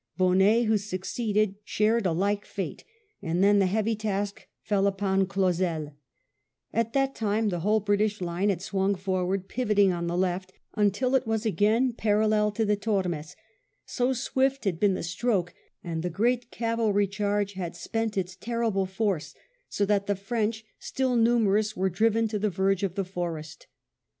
Bonnet, who succeeded, shared a like fate, and then the heavy task fell upon ClanseL At that time the whole British line had swung forward, pivoting on the left^ until it was again parallel to the Tormes, so swift had been the stroke, and the great cavalry charge had spent its terrible force ; so that the French, still numerous, were driven to the verge of the forest.